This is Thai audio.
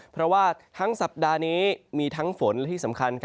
เพราะว่าทั้งสัปดาห์นี้มีทั้งฝนและที่สำคัญ